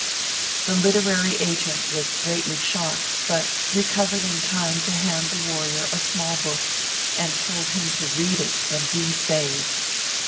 The literary agent was greatly shocked, but recov ered in time to hand the warrior a small book, and told him to read it and be saved.